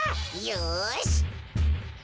よし！